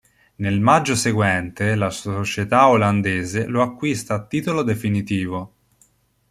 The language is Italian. Nel maggio seguente la società olandese lo acquista a titolo definitivo.